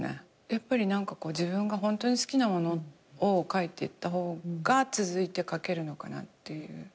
やっぱり自分がホントに好きなものを描いてた方が続いて描けるのかなっていう。